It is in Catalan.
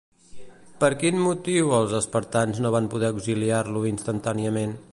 Per quin motiu els espartans no van poder auxiliar-lo instantàniament?